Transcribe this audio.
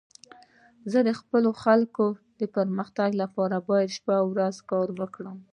زه د خپلو خلکو د پرمختګ لپاره باید شپه او ورځ کار وکړم.